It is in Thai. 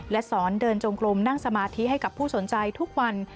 และสอนเดินจงกลมนั่งสมาธิให้กับผู้สนใจทุกวัน